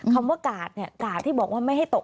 คำว่ากาดเนี่ยกาดที่บอกว่าไม่ให้ตก